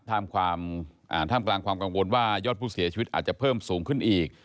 ท่ามกลางความกังวลว่ายอดผู้เสียชีวิตอาจจะเพิ่มสูงขึ้นอีก